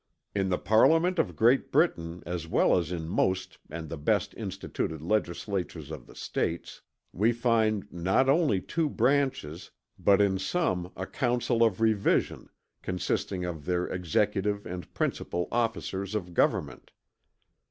"In the Parliament of Great Britain as well as in most and the best instituted legislatures of the States, we find not only two branches, but in some a council of revision, consisting of their executive and principal officers of government.